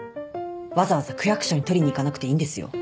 わざわざ区役所に取りに行かなくていいんですよ。